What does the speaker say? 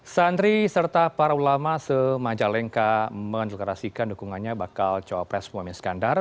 sandri serta para ulama se majalengka mengeklarasikan dukungannya bakal co pres muhyiddin iskandar